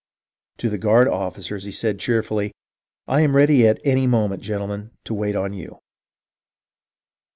To the guard officers he said cheerfully, " I am ready at any moment, gentlemen, to wait on you."